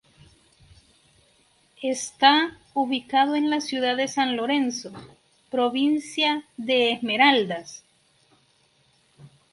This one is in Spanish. Está ubicado en la ciudad de San Lorenzo, provincia de Esmeraldas.